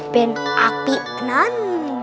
ben api enan